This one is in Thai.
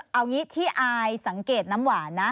เอางี้ที่อายสังเกตน้ำหวานนะ